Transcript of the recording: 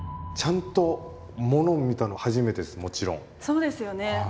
そうですよね。